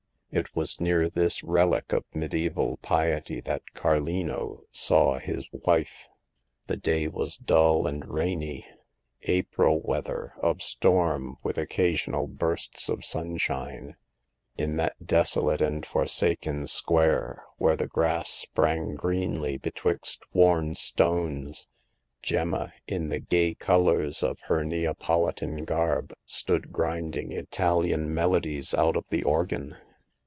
It was near this relic of medieval piety that Carlino saw his wife. The day was dull and rainy — ^April weather, of storm, with occasional bursts of sunshine. In that desolate and forsaken square, where the grass sprang greenly betwixt worn stones, Gemma, in the gay colors of her Neapolitan garb, stood grind The Fourth Customer. 121 ing Italian melodies out of the organ.